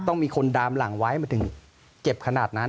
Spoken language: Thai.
ต้องมีคนดามหลังไว้มันถึงเจ็บขนาดนั้น